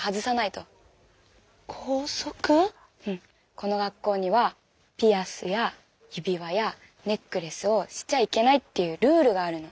この学校にはピアスや指輪やネックレスをしちゃいけないっていうルールがあるの。